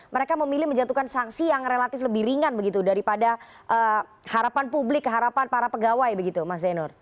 mereka memilih menjatuhkan sanksi yang relatif lebih ringan begitu daripada harapan publik harapan para pegawai begitu mas zainur